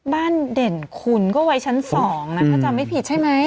เด่นคุณก็ไว้ชั้น๒นะถ้าจำไม่ผิดใช่ไหม